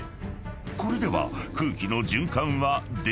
［これでは］